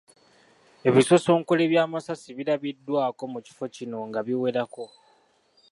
Ebisosonkole by’amasasi birabiddwako mu kifo kino nga biwerako .